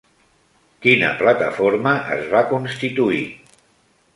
Quina plataforma es va constituir?